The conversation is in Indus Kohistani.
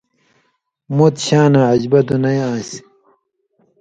مُت شاناں عجبہ دُنئ آن٘سیۡ۔